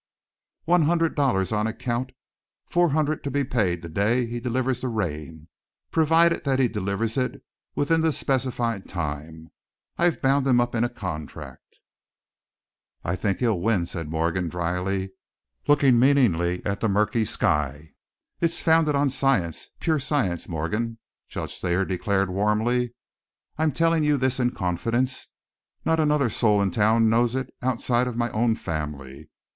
"One hundred dollars on account, four hundred to be paid the day he delivers the rain provided that he delivers it within the specified time. I've bound him up in a contract." "I think he'll win," said Morgan, drily, looking meaningly at the murky sky. "It's founded on science, pure science, Morgan," Judge Thayer declared, warmly. "I'm telling you this in confidence, not another soul in town knows it outside of my own family.